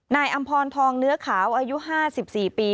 อำพรทองเนื้อขาวอายุ๕๔ปี